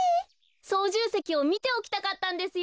そうじゅうせきをみておきたかったんですよ。